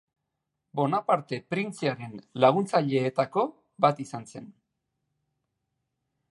Bonaparte printzearen laguntzaileetako bat izan zen.